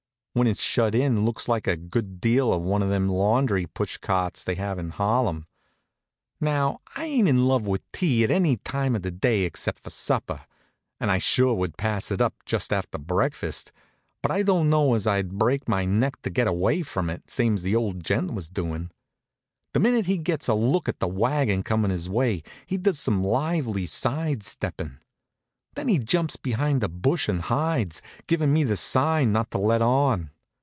When it's shut it looks a good deal like one of them laundry push carts they have in Harlem. Now, I ain't in love with tea at any time of the day except for supper, and I sure would pass it up just after breakfast, but I don't know as I'd break my neck to get away from it, same's the old gent was doin'. The minute he gets a look at the wagon comin' his way he does some lively side steppin'. Then he jumps behind a bush and hides, givin' me the sign not to let on.